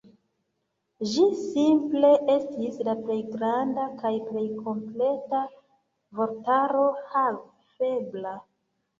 Ĝi simple estis la plej granda kaj plej kompleta vortaro havebla.